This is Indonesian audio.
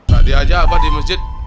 nah diajak apa di masjid